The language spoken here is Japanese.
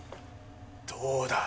どうだ！